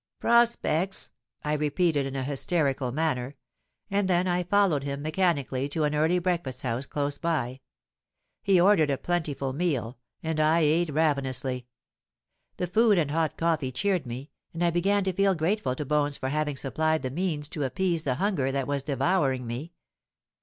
'—'Prospects!' I repeated in a hysterical manner; and then I followed him mechanically to an early breakfast house close by. He ordered a plentiful meal; and I ate ravenously. The food and hot coffee cheered me; and I began to feel grateful to Bones for having supplied the means to appease the hunger that was devouring me.